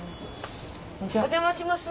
お邪魔します。